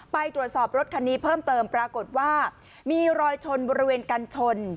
ไปตรวจสอบรถคันนี้เพิ่มเติมปรากฏว่ามีรอยชนบริเวณกันชน